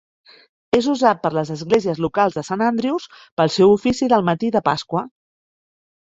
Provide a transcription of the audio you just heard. És usat per les esglésies locals de Sant Andrews pel seu oficii del matí de Pasqua.